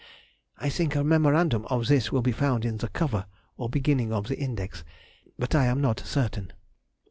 _) I think a memorandum of this will be found in the cover or beginning of the index, but I am not certain.